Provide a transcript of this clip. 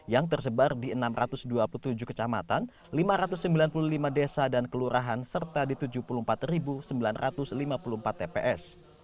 yang tersebar di enam ratus dua puluh tujuh kecamatan lima ratus sembilan puluh lima desa dan kelurahan serta di tujuh puluh empat sembilan ratus lima puluh empat tps